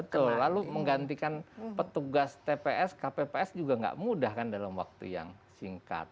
betul lalu menggantikan petugas tps kpps juga nggak mudah kan dalam waktu yang singkat